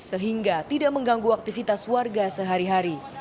sehingga tidak mengganggu aktivitas warga sehari hari